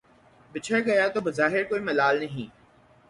بچھڑ گیا تو بظاہر کوئی ملال نہیں